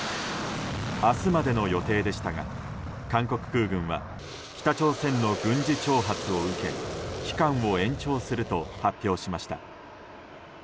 明日までの予定でしたが韓国空軍は北朝鮮の軍事挑発を受け期間を延長すると発表しました。